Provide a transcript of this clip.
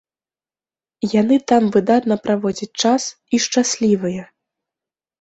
Яны там выдатна праводзяць час і шчаслівыя.